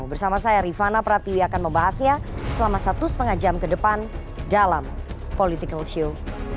bersama saya rifana pratiwi akan membahasnya selama satu setengah jam ke depan dalam political show